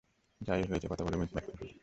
যা-ই হয়েছে কথা বলে মিটমাট করে ফেলি।